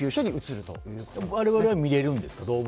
我々は見れるんですか？